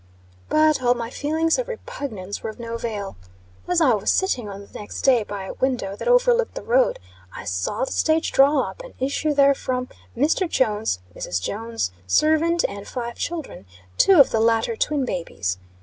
But, all my feelings of repugnance were of no avail. As I was sitting, on the next day, by a window, that overlooked the road, I saw the stage draw up, and issue therefrom Mr. Jones, Mrs. Jones, servant and five children two of the latter twin babies.